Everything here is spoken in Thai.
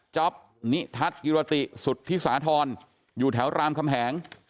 จ๊อปนิทัศน์กิรติสุทธิสาธรณ์อยู่แถวรามคำแหง